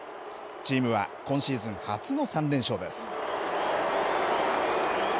チームは今シーズン初の３連勝です。